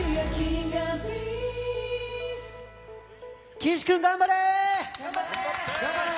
岸君、頑張れ！